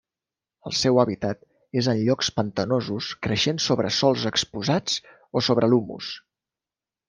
El seu hàbitat és en llocs pantanosos creixent sobre sòls exposats o sobre l'humus.